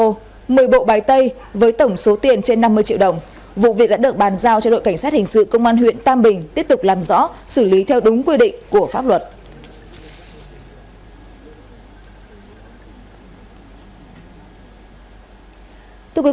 từ bộ bái tây với tổng số tiền trên năm mươi triệu đồng vụ việc đã được bàn giao cho đội cảnh sát hình sự công an huyện tam bình tiếp tục làm rõ xử lý theo đúng quy định của pháp luật